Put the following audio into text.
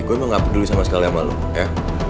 gue mau ngapain dulu sama sekali sama lo ya